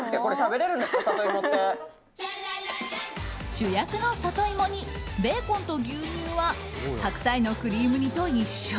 主役のサトイモにベーコンと牛乳は白菜のクリーム煮と一緒。